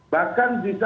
bahkan disaat inilah